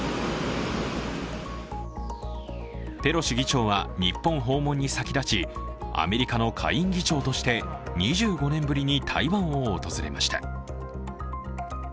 ペロシ議長は日本訪問に先立ちアメリカの下院議長として２５年ぶりに台湾を訪れました。